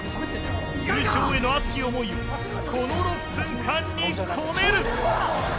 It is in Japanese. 優勝への熱き思いをこの６分間に込める。